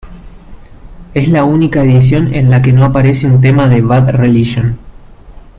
Es la única edición en la que no aparece un tema de Bad Religion.